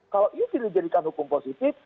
kalau ini tidak dijadikan hukum positif